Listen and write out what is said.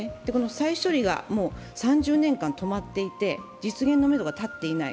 再処理が３０年間、止まっていて実現のめどが立っていない。